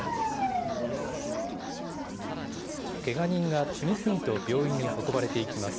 けが人が次々と病院に運ばれていきます。